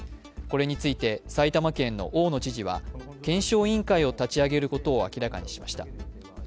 これに対して埼玉県の大野知事は検証委員会を立ち上げることを明らかにしました。